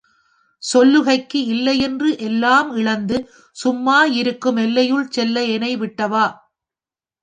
சொல்லுகைக்கு இல்லைஎன்று எல்லாம் இழந்துசும் மாஇருக்கும் எல்லையுள் செல்ல எனைவிட்ட வா!